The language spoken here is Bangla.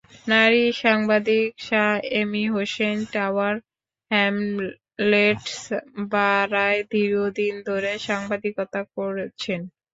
নারী সাংবাদিক Shah Amy Hossain Tower Hamlets বারায় দীর্ঘদিন ধরে সাংবাদিকতা করছেন।